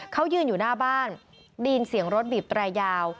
เขายืนอยู่หน้าบ้านได้ยินเสียงรถบีบแตรยาว